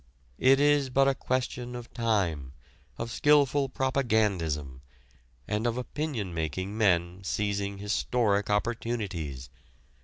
It is but a question of time, of skilful propagandism, and of opinion making men seizing historic opportunities.